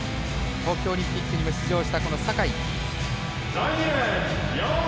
東京オリンピックにも出場した酒井。